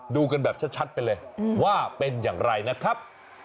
ดูกันแบบชัดไปเลยว่าเป็นอย่างไรนะครับ